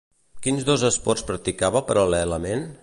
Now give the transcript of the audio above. Quins dos esports practicava paral·lelament?